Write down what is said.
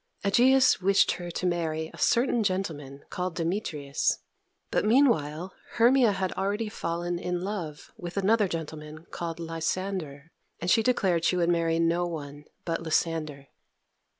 Egeus wished her to marry a certain gentleman called Demetrius; but meanwhile Hermia had already fallen in love with another gentleman called Lysander, and she declared she would marry no one but Lysander.